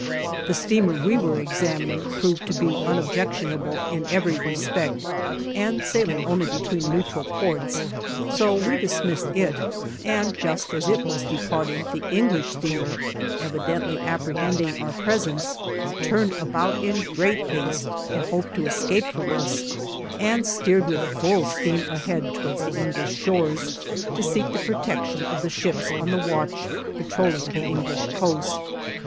The steamer we were examining proved to be unobjectionable in every respect, and sailing only between neutral ports, so we dismissed it, and just as it was departing, the English steamer, evidently apprehending our presence, turned about in great haste in hope to escape from us, and steered with full steam ahead towards the English shores, to seek the protection of the ships on the watch patroling the English coast.